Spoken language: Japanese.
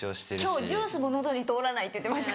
今日ジュースも喉に通らないって言ってました。